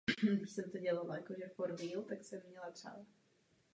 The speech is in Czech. To jsou mé odpovědi pro baronku Ludfordovou.